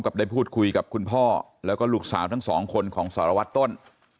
ได้พูดคุยกับคุณพ่อแล้วก็ลูกสาวทั้งสองคนของสารวัตรต้น